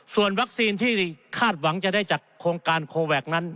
ส่วนวัคซีนที่คาดหวังจะได้จากโครงการโคแวคนั้น